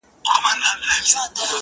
ه ياره د څراغ د مــړه كولو پــه نـيت.